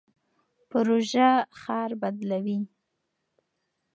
پروژه ښار بدلوي.